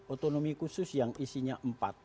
otonomi khusus yang isinya empat